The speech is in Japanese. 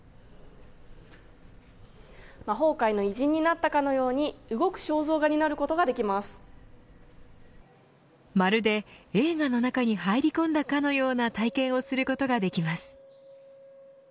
魔法界の偉人になったかのように動く肖像画になるこまるで映画の中に入り込んだかのような体験をすることができます。